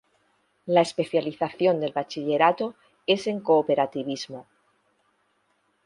La especialización del bachillerato es en Cooperativismo.